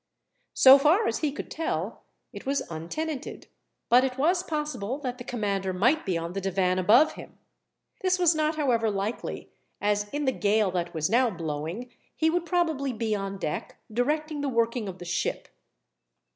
So far as he could tell, it was untenanted, but it was possible that the commander might be on the divan above him. This was not, however, likely, as in the gale that was now blowing he would probably be on deck, directing the working of the ship.